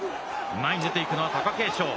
前に出ていくのは貴景勝。